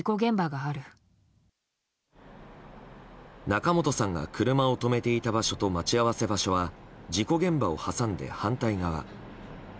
仲本さんが車を止めていた場所と待ち合わせ場所は事故現場を挟んで反対側。